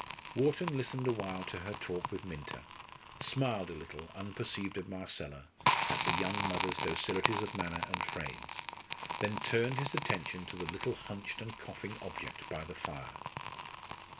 Wharton listened a while to her talk with Minta, smiled a little, unperceived of Marcella, at the young mother's docilities of manner and phrase; then turned his attention to the little hunched and coughing object by the fire.